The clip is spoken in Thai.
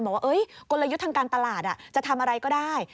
บอกว่ากลยุทธ์ทางการตลาดจะทำอะไรก็ได้